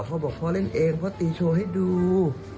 พ่อบอกพ่อเล่นเองพ่อตีโชว์ให้ดู